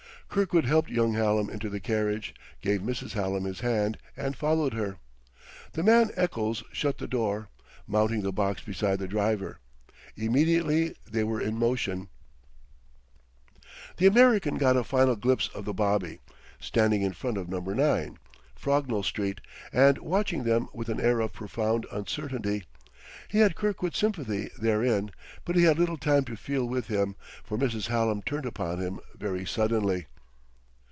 Kirkwood helped young Hallam into the carriage, gave Mrs. Hallam his hand, and followed her. The man Eccles shut the door, mounting the box beside the driver. Immediately they were in motion. The American got a final glimpse of the bobby, standing in front of Number 9, Frognall Street, and watching them with an air of profound uncertainty. He had Kirkwood's sympathy, therein; but he had little time to feel with him, for Mrs. Hallam turned upon him very suddenly.